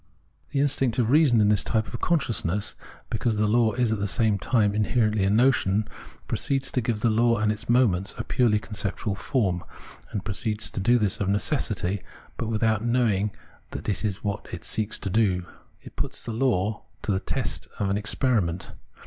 The instinct of reason in this type of consciousness, because the law is at the same time inherently a notion, proceeds to give the law and its moments a purely conceptual form ; and proceeds to do this of necessity, but without knowing that this is what it seeks to do. It puts the law to the test of experiment.